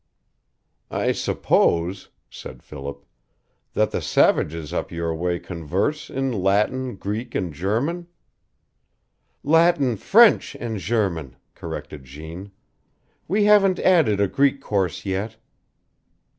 "I suppose," said Philip, "that the savages up your way converse in Latin, Greek, and German " "Latin, FRENCH, and German," corrected Jeanne. "We haven't added a Greek course yet."